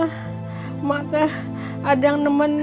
emak teh ada yang nemenin